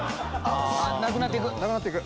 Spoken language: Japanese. なくなって行く。